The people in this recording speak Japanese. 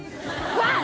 「ワン！」